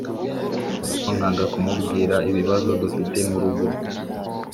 ariko nkanga kumubwira ibibazo dufite murugo,